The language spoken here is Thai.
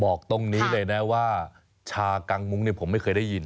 บอกตรงนี้เลยนะว่าชากังมุ้งเนี่ยผมไม่เคยได้ยิน